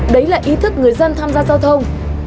đấy là ý thức người dân tham gia giao thông